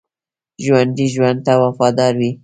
ژوندي ژوند ته وفادار وي